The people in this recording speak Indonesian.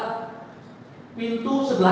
dari pintu mobil